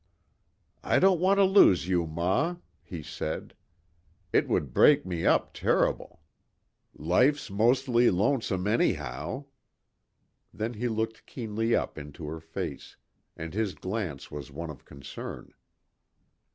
"I don't want to lose you, ma," he said. "It would break me up ter'ble. Life's mostly lonesome anyhow." Then he looked keenly up into her face, and his glance was one of concern.